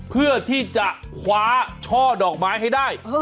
เพื่อที่จะคว้าช่อดอกไม้ให้ได้